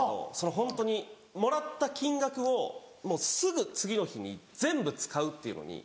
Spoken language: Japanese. ホントにもらった金額をもうすぐ次の日に全部使うっていうのに。